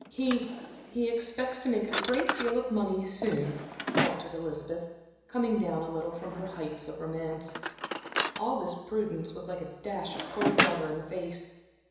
"He he expects to make a great deal of money soon," faltered Elizabeth, coming down a little from her heights of romance. All this prudence was like a dash of cold water in the face.